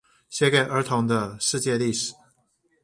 寫給兒童的世界歷史